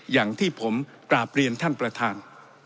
อย่างที่ผมกราบเรียนท่านประธาน